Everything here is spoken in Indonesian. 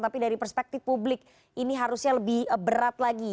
tapi dari perspektif publik ini harusnya lebih berat lagi